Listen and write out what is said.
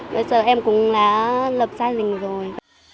bây giờ em cũng là lập gia đình rồi